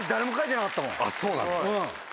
そうなんだ。